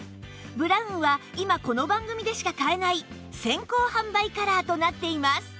ブラウンは今この番組でしか買えない先行販売カラーとなっています